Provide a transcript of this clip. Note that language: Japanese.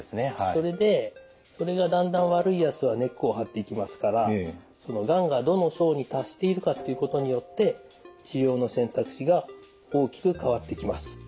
それでそれがだんだん悪いやつは根っこを張っていきますからそのがんがどの層に達しているかっていうことによって治療の選択肢が大きく変わってきます。